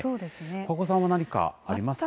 桑子さんは何かありますか？